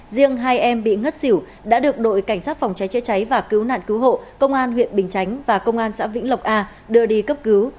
riêng hai em bị ngất xỉu đã được đội cảnh sát phòng cháy chữa cháy và cứu nạn cứu hộ công an huyện bình chánh và công an xã vĩnh lộc a đưa đi cấp cứu